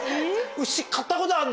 牛買ったことあるの？